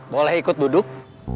boleh ikut duduk